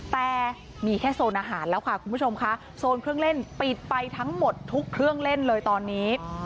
แต่มีแค่โซนอาหารแล้วค่ะคุณผู้ชมค่ะโซนเครื่องเล่นปิดไปทั้งหมดทุกเครื่องเล่นเลยตอนนี้